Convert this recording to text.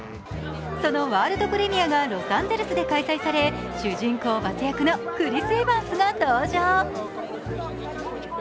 そのワールドプレミアがロサンゼルスで開催され主人公・バズ役のクリス・エヴァンスが登場。